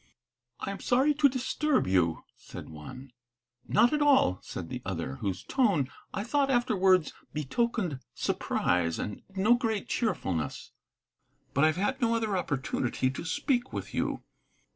"I am sorry to disturb you," said one. "Not at all," said the other, whose tone, I thought afterwards, betokened surprise, and no great cheerfulness. "But I have had no other opportunity to speak with you."